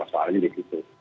soalnya di situ